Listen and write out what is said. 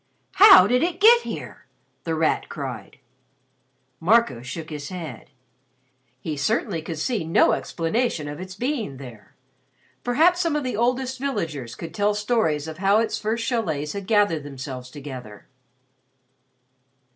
"How did it get here?" The Rat cried. Marco shook his head. He certainly could see no explanation of its being there. Perhaps some of the oldest villagers could tell stories of how its first chalets had gathered themselves together.